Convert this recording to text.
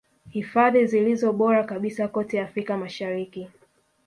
Hifadhi zilizo bora kabisa kote Afrika Mashariki